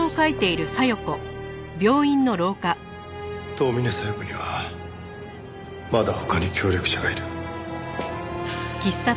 遠峰小夜子にはまだ他に協力者がいる。